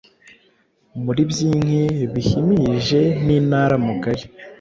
Muri byinhi Bihimihije nIntara mugari